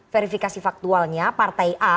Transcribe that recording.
verifikasi faktualnya partai a